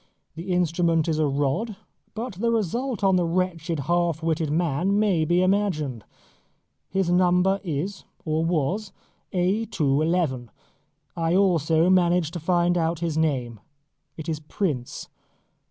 The instrument is a rod; but the result on the wretched half witted man may be imagined. His number is, or was, A. 2. 11. I also managed to find out his name. It is Prince.